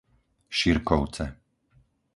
Širkovce